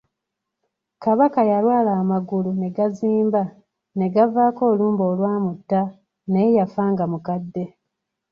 Kabaka yalwala amagulu ne gazimba, ge gaavaako olumbe olwamutta, naye yafa nga mukadde.